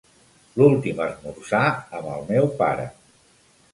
L'últim esmorzar amb el meu pare.